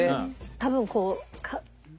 多分こう。